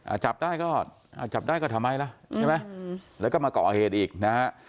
จับได้ก็อ่าจับได้ก็ทำไมล่ะใช่ไหมอืมแล้วก็มาก่อเหตุอีกนะฮะ